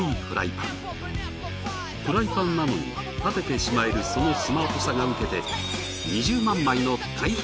フライパンなのに立ててしまえるそのスマートさがウケて。